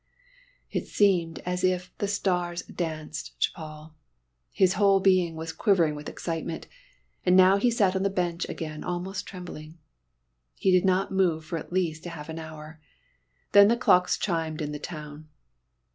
It seemed as if the stars danced to Paul. His whole being was quivering with excitement, and now he sat on the bench again almost trembling. He did not move for at least half an hour; then the clocks chimed in the town.